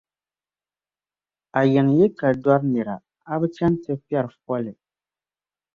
A yiŋa yi ka dɔri nira, a bi chɛn' ti piɛri foli.